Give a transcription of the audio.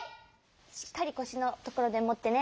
しっかりこしのところでもってね。